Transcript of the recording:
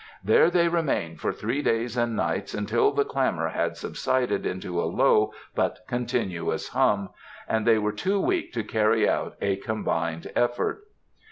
There they remained for three days and nights, until the clamour had subsided into a low but continuous hum, and they were too weak to carry out a combined effort.